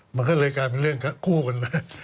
มันก็เลยกลายเป็นเรื่องคู่กันมา